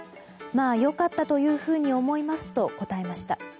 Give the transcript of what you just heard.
まあ、良かったというふうに思いますと答えました。